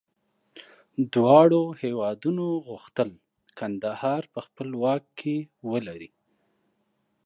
دواړو هېوادونو غوښتل کندهار په خپل واک کې ولري.